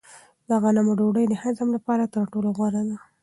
د غنمو ډوډۍ د هضم لپاره تر ټولو غوره ده.